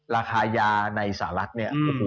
ราคายาในสหรัฐเนี่ย